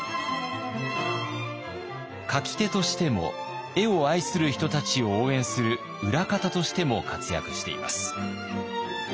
描き手としても絵を愛する人たちを応援する裏方としても活躍しています。